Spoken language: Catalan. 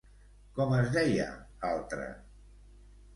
Com es deia l'altre?